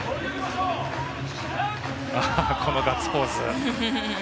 このガッツポーズ。